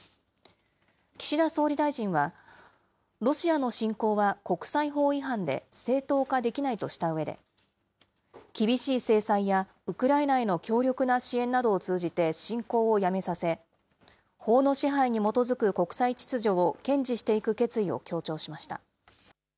岸田総理大臣は、ロシアの侵攻は国際法違反で正当化できないとしたうえで、厳しい制裁や、ウクライナへの強力な支援などを通じて侵攻をやめさせ、法の支配に基づく国際秩序を堅持していく決意を強調しました。